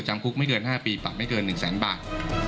จำคุกไม่เกิน๕ปีปรับไม่เกิน๑แสนบาท